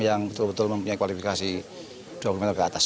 yang betul betul mempunyai kualifikasi dua puluh meter ke atas